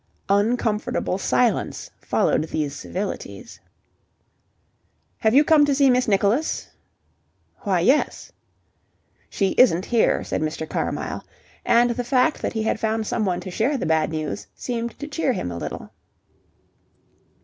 Uncomfortable silence followed these civilities. "Have you come to see Miss Nicholas?" "Why, yes." "She isn't here," said Mr. Carmyle, and the fact that he had found someone to share the bad news, seemed to cheer him a little.